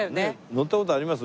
乗った事あります？